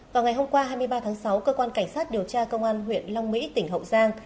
vào ngày hôm qua hai mươi ba tháng sáu cơ quan cảnh sát điều tra công an huyện long mỹ tỉnh hậu giang